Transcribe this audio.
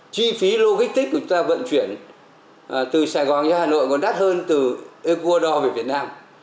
chi phí logistic của chúng ta vận chuyển từ sài gòn đi hà nội còn đắt hơn từ ecuador về việt nam